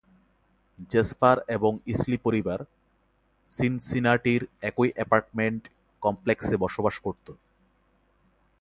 Jesper এবং Isley পরিবার সিনসিনাটির একই অ্যাপার্টমেন্ট কমপ্লেক্সে বসবাস করত।